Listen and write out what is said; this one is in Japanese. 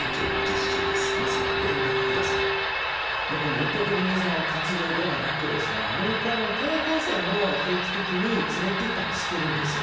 一方的な活動ではなくアメリカの高校生も定期的に連れて行ったりしているんですよ。